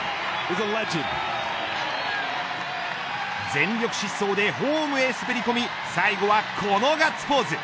全力疾走でホームへ滑り込み最後はこのガッツポーズ。